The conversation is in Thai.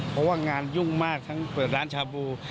เพราะว่างานยุ่งมากทั้งเปิดร้านชาบู